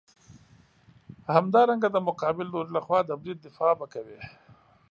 همدارنګه د مقابل لوري لخوا د برید دفاع به کوې.